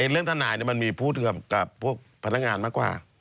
เรื่องทนายมันมีพูดกับพวกพนักงานมากกว่า